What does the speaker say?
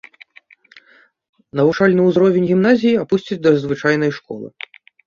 Навучальны ўзровень гімназіі апусцяць да звычайнай школы.